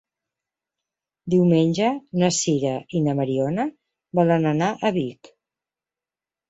Diumenge na Sira i na Mariona volen anar a Vic.